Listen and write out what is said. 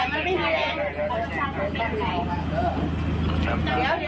พ่อใหญ่ชื่นมาทำอะไร